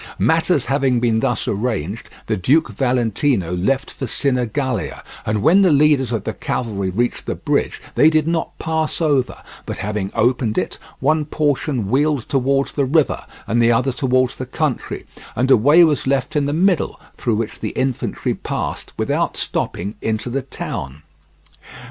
Matters having been thus arranged, the Duke Valentino left for Sinigalia, and when the leaders of the cavalry reached the bridge they did not pass over, but having opened it, one portion wheeled towards the river and the other towards the country, and a way was left in the middle through which the infantry passed, without stopping, into the town.